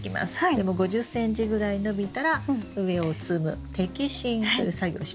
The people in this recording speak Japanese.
でも５０ｃｍぐらい伸びたら上を摘む摘心という作業をします。